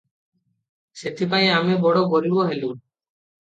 ସେଇଥିପାଇଁ ଆମେ ବଡ଼ ଗରିବ ହେଲୁଁ ।